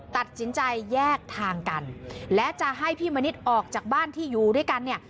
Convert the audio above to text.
ตัดสินใจแยกทางกันและจะให้พี่มณิษฐ์ออกจากบ้านที่อยู่ด้วยกันเนี่ย